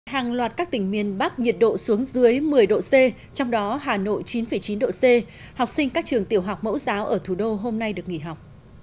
hàng loạt các tỉnh miền bắc nhiệt độ xuống dưới một mươi độ c trong đó hà nội chín chín độ c học sinh các trường tiểu học mẫu giáo ở thủ đô hôm nay được nghỉ học